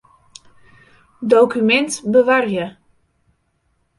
Dokumint bewarje.